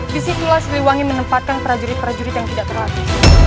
disitulah siliwangi menempatkan prajurit prajurit yang tidak terlatih